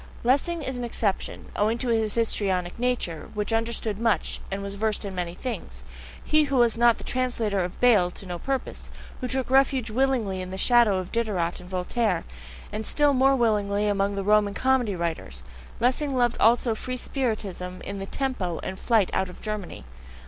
Lessing is an exception, owing to his histrionic nature, which understood much, and was versed in many things; he who was not the translator of Bayle to no purpose, who took refuge willingly in the shadow of Diderot and Voltaire, and still more willingly among the Roman comedy writers Lessing loved also free spiritism in the TEMPO, and flight out of Germany.